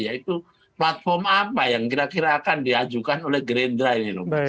yaitu platform apa yang kira kira akan diajukan oleh gerindra ini